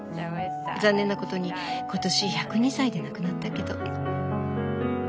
残念なことに今年１０２歳で亡くなったけど。